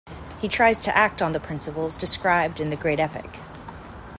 He tries to act on the principles described in the great epic.